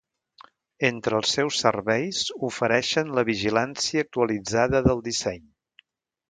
Entre els seus serveis ofereixen la vigilància actualitzada del disseny.